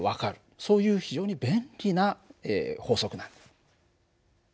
そういう非常に便利な法則なんだ。